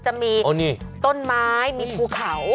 จะมีต้นไม้มีภูเขา